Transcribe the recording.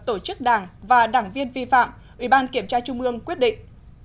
tổ chức đảng và đảng viên vi phạm ủy ban kiểm tra trung ương quyết định